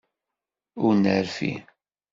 Ur nerfi.